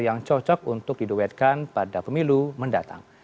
yang cocok untuk diduetkan pada pemilu mendatang